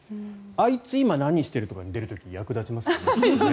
「あいつ今何してる？」とかに出る時に役立ちますよね。